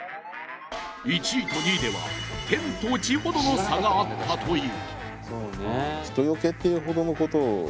１位と２位では天と地ほどの差があったという。